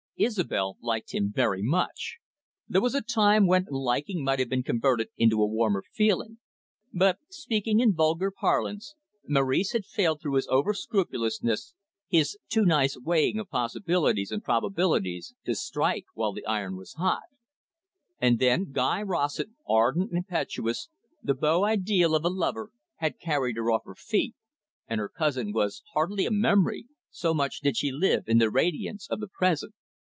Isobel liked him very much. There was a time when liking might have been converted into a warmer feeling. But, speaking in vulgar parlance, Maurice had failed through his over scrupulousness, his too nice weighing of possibilities and probabilities, to strike while the iron was hot. And then Guy Rossett, ardent, impetuous, the beau ideal of a lover, had carried her off her feet, and her cousin was hardly a memory, so much did she live in the radiance of the present.